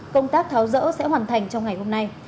công tác tháo rỡ sẽ hoàn thành trong ngày hôm nay